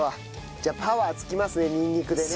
じゃあパワーつきますねにんにくでね。